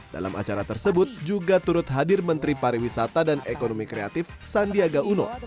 dalam acara tersebut juga turut hadir menteri pariwisata dan ekonomi kreatif sandiaga uno